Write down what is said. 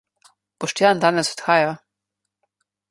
Boštjan danes odhaja.